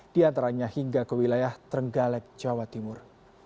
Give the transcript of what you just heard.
diantaranya hingga ke wilayah tenggalek jawa timur